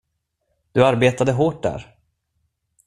Du arbetade hårt där.